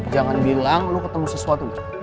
jangan bilang lu ketemu sesuatu yang berbeda